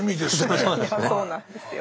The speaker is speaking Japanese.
そうなんですよ。